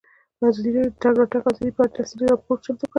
ازادي راډیو د د تګ راتګ ازادي په اړه تفصیلي راپور چمتو کړی.